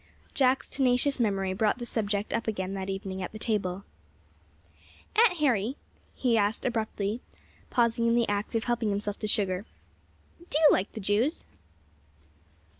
Jack's tenacious memory brought the subject up again that evening at the table. "Aunt Harry," he asked, abruptly, pausing in the act of helping himself to sugar, "do you like the Jews?"